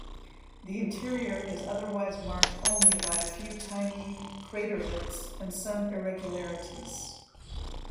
The interior is otherwise marked only by a few tiny craterlets and some irregularities.